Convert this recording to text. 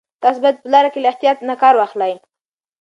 تاسو باید په لاره کې له احتیاط نه کار واخلئ.